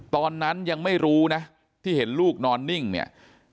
ตอนนั้นยังไม่รู้นะที่เห็นลูกนอนนิ่งเนี่ย